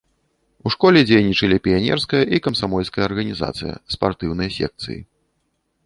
У школе дзейнічалі піянерская і камсамольская арганізацыя, спартыўныя секцыі.